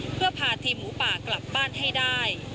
เพื่อพาทีมหมูป่ากลับบ้านให้ได้